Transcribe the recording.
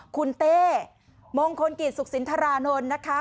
คุณเต้มงคลกิจสุขสินทรานนท์นะคะ